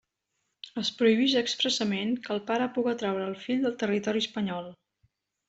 Es prohibix expressament que el pare puga traure el fill del territori espanyol.